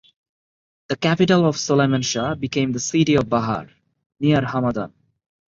The capital of Suleyman Shah became the city of Bahar (near Hamadan).